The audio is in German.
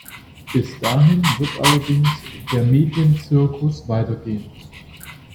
Bis dahin wird allerdings der Medienzirkus weitergehen.